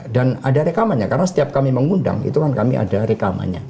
dan ada rekamannya karena setiap kami mengundang itu kan kami ada rekamannya